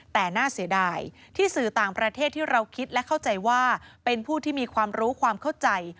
แต่น่าเสียดายที่สื่อต่างประเทศที่เราคิดและเข้าใจว่าเป็นผู้ที่มีความรู้ความเข้าใจ